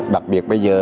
đặc biệt bây giờ